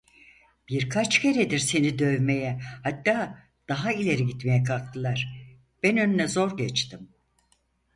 Birkaç keredir seni dövmeye, hatta daha ileri gitmeye kalktılar, ben önüne zor geçtim…